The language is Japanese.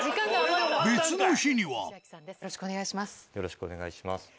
よろしくお願いします。